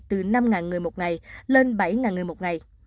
từ năm người một ngày lên bảy người một ngày